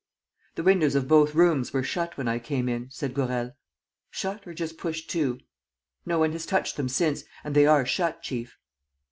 "The windows of both rooms were shut when I came in," said Gourel. "Shut, or just pushed to?" "No one has touched them since. And they are shut, chief."